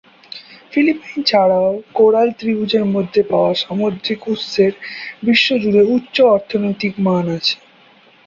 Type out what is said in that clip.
Philippine ছাড়াও, coral ত্রিভুজের মধ্যে পাওয়া সামুদ্রিক উৎসের বিশ্ব জুড়ে উচ্চ অর্থনৈতিক মান আছে।